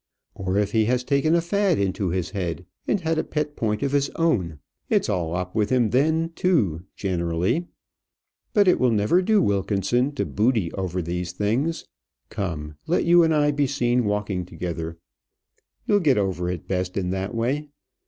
Or if he has taken a fad into his head, and had a pet point of his own, it's all up with him then, too, generally. But it will never do, Wilkinson, to boody over these things. Come, let you and I be seen walking together; you'll get over it best in that way.